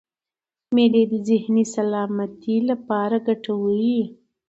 مېلې د ذهني سلامتۍ له پاره ګټوري يي.